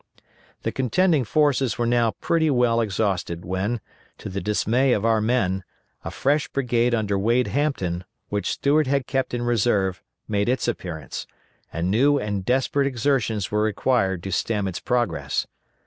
The contending forces were now pretty well exhausted when, to the dismay of our men, a fresh brigade under Wade Hampton, which Stuart had kept in reserve, made its appearance, and new and desperate exertions were required to stem its progress.